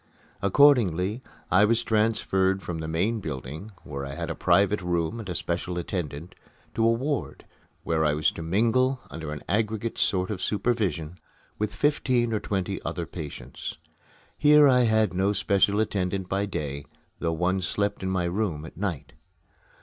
Accordingly, I was transferred from the main building, where I had a private room and a special attendant, to a ward where I was to mingle, under an aggregate sort of supervision, with fifteen or twenty other patients. Here I had no special attendant by day, though one slept in my room at night.